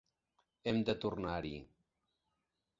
Hem de tornar-hi.